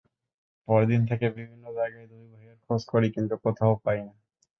পরদিন থেকে বিভিন্ন জায়গায় দুই ভাইয়ের খোঁজ করি, কিন্তু কোথাও পাই না।